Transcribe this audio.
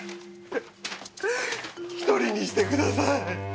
１人にしてください。